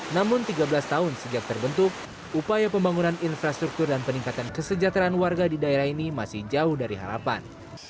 namun tiga belas tahun sejak terbentuk upaya pembangunan infrastruktur dan peningkatan kesejahteraan warga di daerah ini masih jauh dari harapan